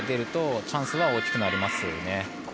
ミスが出るとチャンスは大きくなりますね。